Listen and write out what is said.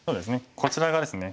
こちら側ですね。